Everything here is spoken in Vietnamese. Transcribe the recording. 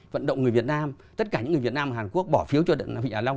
vận động người việt nam tất cả những người việt nam và hàn quốc bỏ phiếu cho vịnh hạ long